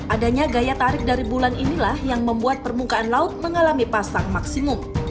adanya gaya tarik dari bulan inilah yang membuat permukaan laut mengalami pasang maksimum